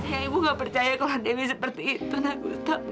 ya ibu gak percaya kalau dewi seperti itu nak gustaf